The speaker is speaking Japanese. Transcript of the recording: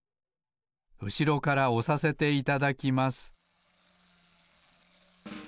うしろからおさせていただきます